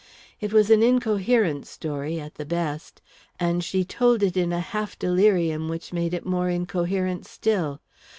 It was an incoherent story, at the best, and she told it in a half delirium which made it more incoherent still.